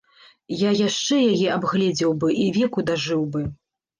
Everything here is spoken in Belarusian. Я яшчэ яе абгледзеў бы і веку дажыў бы.